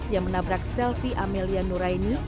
yang menabrak selvi amelia nuraini